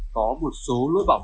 có một số lối bảo mật